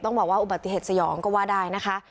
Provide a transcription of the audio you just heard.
บอกว่าอุบัติเหตุสยองก็ว่าได้นะคะ